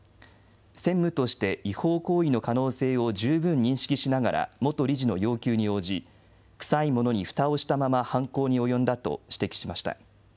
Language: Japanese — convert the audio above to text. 専務として違法行為の可能性を十分認識しながら、元理事の要求に応じ、臭いものにふたをしたまま犯行に及んだと指摘しました。